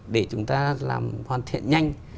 để chúng ta làm hoàn thiện nhanh